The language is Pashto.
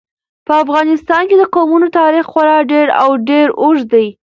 په افغانستان کې د قومونه تاریخ خورا ډېر او ډېر اوږد دی.